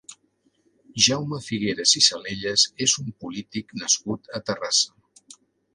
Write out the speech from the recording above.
Jaume Figueras i Salellas és un polític nascut a Terrassa.